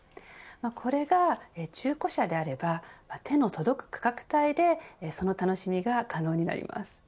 これが、中古車であれば手の届く価格帯でその楽しみが可能になります。